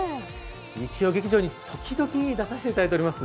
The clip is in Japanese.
日曜劇場に時々出させていただいております。